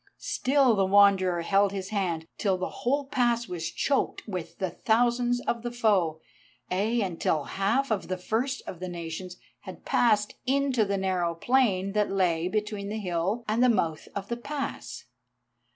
Still the Wanderer held his hand till the whole pass was choked with the thousands of the foe, ay, until the half of the first of the nations had passed into the narrow plain that lay between the hill and the mouth of the pass.